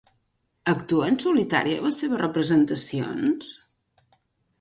Actua en solitari a les seves representacions?